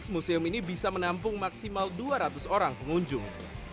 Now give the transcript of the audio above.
museum ini bisa menampung maksimal dua ratus orang pengunjung